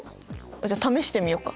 じゃあ試してみようか。